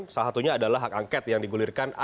salah satunya adalah hak angket yang digulirkan